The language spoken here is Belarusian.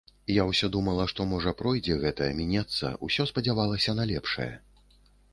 Я ўсё думала, што, можа, пройдзе гэта, мінецца, усё спадзявалася на лепшае.